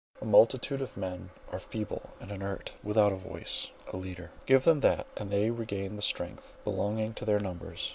A multitude of men are feeble and inert, without a voice, a leader; give them that, and they regain the strength belonging to their numbers.